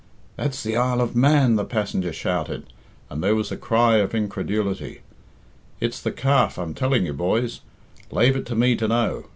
"That's the Isle of Man," the passenger shouted, and there was a cry of incredulity. "It's the Calf, I'm telling you, boys. Lave it to me to know."